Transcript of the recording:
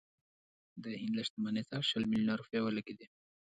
د هند له شتمنۍ څخه شل میلیونه روپۍ ولګېدې.